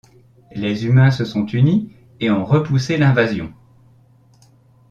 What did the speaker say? Les humains se sont unis et ont repoussé l'invasion.